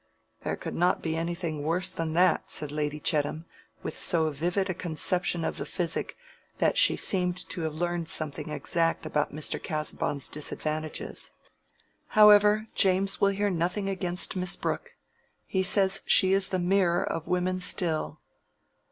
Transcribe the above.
"There could not be anything worse than that," said Lady Chettam, with so vivid a conception of the physic that she seemed to have learned something exact about Mr. Casaubon's disadvantages. "However, James will hear nothing against Miss Brooke. He says she is the mirror of women still."